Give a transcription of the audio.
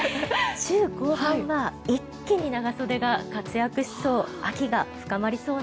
週後半は一気に長袖が活躍しそう。